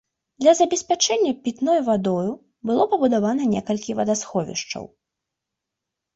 Для забеспячэння пітной вадою было пабудавана некалькі вадасховішчаў.